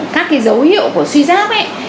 các cái dấu hiệu của suy giáp